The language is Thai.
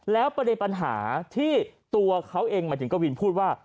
แล้วประเด็นปัญหาที่ตัวเขาเองหมายถึงกวินพูดว่า